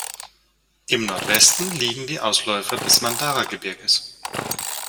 Im Nordwesten liegen die Ausläufer des Mandara-Gebirges.